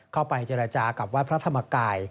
เข้าไปเจรจากับวัดพระธรรมกาย